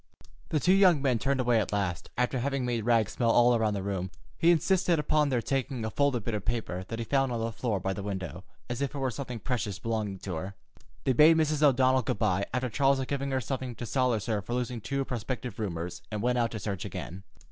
The two young men turned away at last, after having made Rags smell all around the room. He insisted upon their taking a folded bit of paper that he found on the floor by the window, as if it were something precious belonging to her. They bade Mrs. O'Donnell good by, after Charles had given her something to solace her for losing two prospective roomers, and went out to search again.